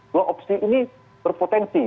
dua opsi ini berpotensi